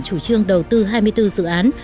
chủ trương đầu tư hai mươi bốn dự án